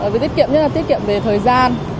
với tiết kiệm nhất là tiết kiệm về thời gian